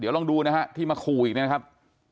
เดี๋ยวลองดูนะครับที่มาคู่อีกนะครับ